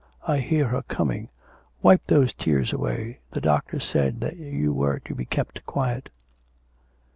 I hear her coming. Wipe those tears away. The doctor said that you were to be kept quiet.'